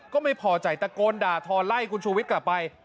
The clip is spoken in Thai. ก็ไม่พอใจตะโกนด่าทอไล่คุณชูวิทย์กลับไป